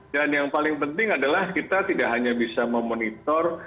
dan yang paling penting adalah kita tidak hanya bisa memonitor